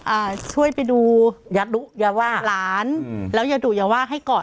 อ่าช่วยไปดูอย่าดุอย่าว่าหลานอืมแล้วอย่าดุอย่าว่าให้กอด